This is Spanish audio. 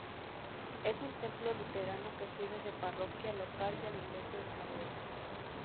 Es un templo luterano que sirve de parroquia local de la Iglesia de Noruega.